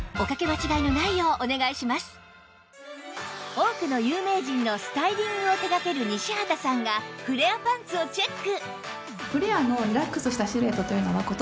多くの有名人のスタイリングを手掛ける西畑さんがフレアパンツをチェック